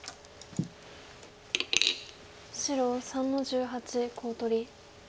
白３の十八コウ取り。